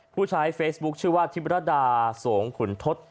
ผู้ใช้เฟซบุ๊คชื่อว่าทิพรดาสงขุนทศ